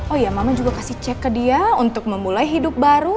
oh iya mama juga kasih cek ke dia untuk memulai hidup baru